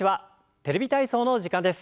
「テレビ体操」の時間です。